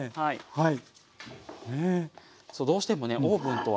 はい。